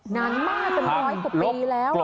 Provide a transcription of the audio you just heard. นานมากเป็นร้อยกว่าปีแล้ว